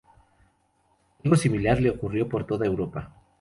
Algo similar le ocurrió por toda Europa.